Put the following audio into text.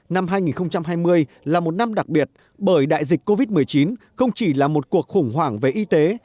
năm hai nghìn hai mươi là một năm đặc biệt bởi đại dịch covid một mươi chín không chỉ là một cuộc khủng hoảng về y tế